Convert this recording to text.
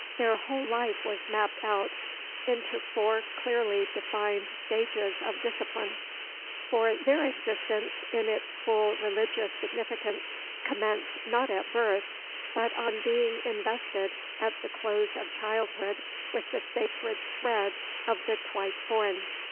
Their whole life was mapped out into four clearly defined stages of discipline. For their existence, in its full religious significance, commenced not at birth, but on being invested at the close of childhood with the sacred thread of the Twice born.